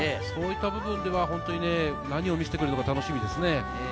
そういった部分では本当に何を見せてくれるのか楽しみですね。